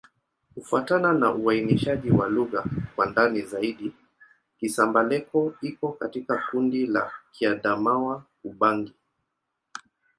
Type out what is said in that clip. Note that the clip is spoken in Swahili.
Kufuatana na uainishaji wa lugha kwa ndani zaidi, Kisamba-Leko iko katika kundi la Kiadamawa-Ubangi.